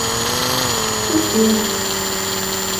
Уке...